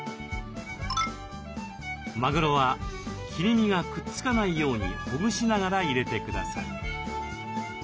マグロは切り身がくっつかないようにほぐしながら入れてください。